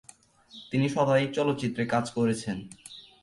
তিনি শতাধিক চলচ্চিত্রে কাজ করেছেন।